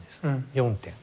４点。